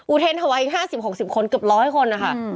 อุเทรนด์ฮาวัยอีก๕๐๖๐คนเกือบ๑๐๐คนนะคะ